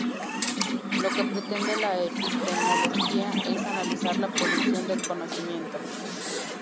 Lo que pretende la epistemología es analizar la producción del conocimiento.